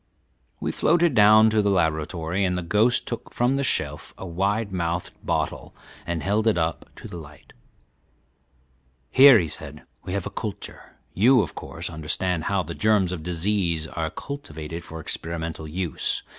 We floated down to the laboratory, and the ghost took from the shelf a wide mouthed bottle and held it up to the light. "Here," he said, "we have a culture. You, of course, understand how the germs of disease are cultivated for experimental use.